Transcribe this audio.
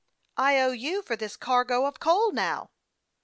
" I owe you for this cargo of coal, now."